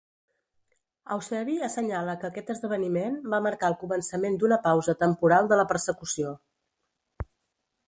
Eusebi assenyala que aquest esdeveniment va marcar el començament d'una pausa temporal de la persecució.